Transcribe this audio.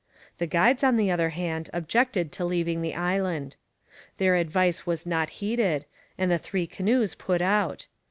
The guides, on the other hand, objected to leaving the island. Their advice was not heeded, and the three canoes put out.